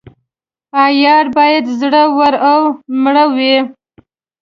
عیار باید زړه ور او میړه وي.